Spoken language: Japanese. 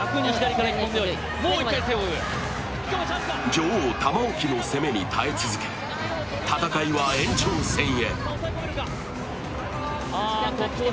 女王・玉置の攻めに耐え続け戦いは延長戦へ。